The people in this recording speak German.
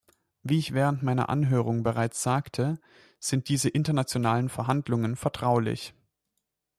Wie ich während meiner Anhörung bereits sagte, sind diese internationalen Verhandlungen vertraulich.